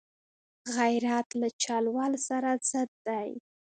غیرت له چل ول سره ضد دی